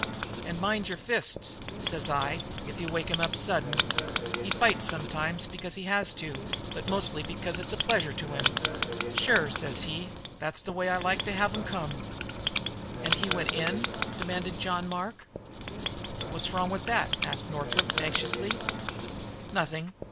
'And mind your fists,' says I, 'if you wake him up sudden. He fights sometimes because he has to, but mostly because it's a pleasure to him.' "'Sure,' says he. 'That's the way I like to have 'em come.'" "And he went in?" demanded John Mark. "What's wrong with that?" asked Northup anxiously. "Nothing.